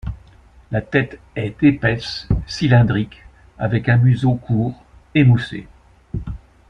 La tête est épaisse, cylindrique, avec un museau court, émoussé.